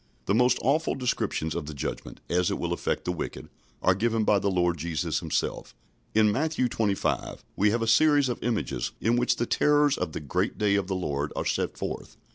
" The most awful descriptions of the Judgment, as it will affect the wicked, are given by the Lord Jesus Himself. In Matthew xxv. we have a series of images, in which the terrors of the "great day of the Lord" are set forth.